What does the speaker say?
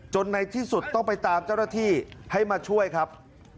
ในที่สุดต้องไปตามเจ้าหน้าที่ให้มาช่วยครับ